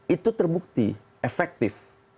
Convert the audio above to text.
itu terbukti efektif